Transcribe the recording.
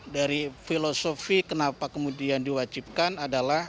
dari filosofi kenapa kemudian diwajibkan adalah